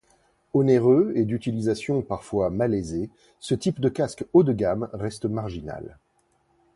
Onéreux et d'utilisation parfois malaisée, ce type de casque haut de gamme reste marginal.